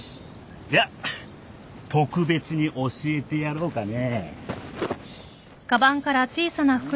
じゃあ特別に教えてやろうかね。